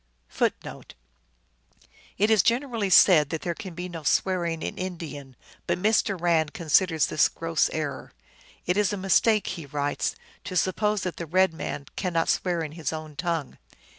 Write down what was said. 1 It is generally said that there can be no swearing in Indian, but Mr. Rand corrects this gross error. " It is a mistake," he writes, " to suppose that the red man cannot swear in his own tongue."